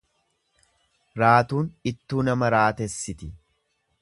Raatuun ittuu nama raatessiti.